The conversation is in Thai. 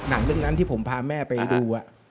นางนั้นว่าเมื่อกี้เกิดที่หมายดู